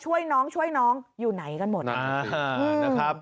ช่วยน้องช่วยน้องอยู่ไหนกันหมดนะครับ